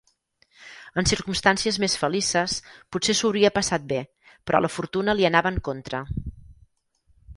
En circumstàncies més felices, potser s'ho hauria passat bé, però la fortuna li anava en contra.